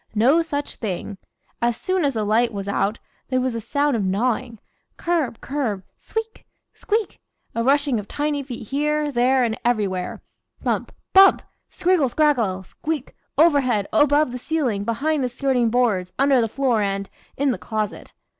No such thing. As soon as the light was out there was a sound of gnawing curb curb sweek! squeak a rushing of tiny feet here, there, and everywhere; thump, bump scriggle, scraggle squeak overhead, above the ceiling, behind the skirting boards, under the floor, and in the closet.